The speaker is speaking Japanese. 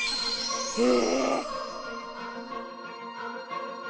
へえ。